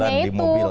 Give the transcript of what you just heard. enam bulan di mobil